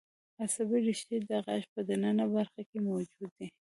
عصبي رشتې د غاښ په د ننه برخه کې موجود دي.